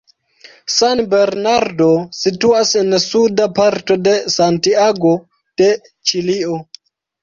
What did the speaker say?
San Bernardo situas en suda parto de Santiago de Ĉilio.